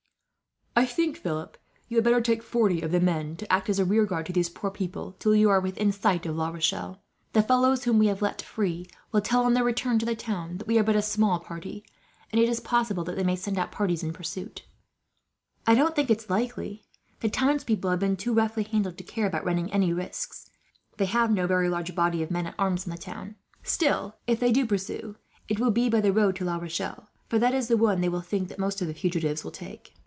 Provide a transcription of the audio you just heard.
"I think, Philip, you had better take forty of the men, to act as a rearguard to these poor people, till you are within sight of La Rochelle. The fellows whom we have let free will tell, on their return to the town, that we are but a small party; and it is possible they may send out parties in pursuit." "I don't think it is likely. The townspeople have been too roughly handled to care about running any risks. They have no very large body of men at arms in the town. Still, if they do pursue, it will be by the road to La Rochelle, for that is the one they will think that most of the fugitives will take.